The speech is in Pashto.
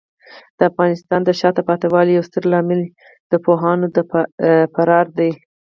د افغانستان د شاته پاتې والي یو ستر عامل د پوهانو د فرار دی.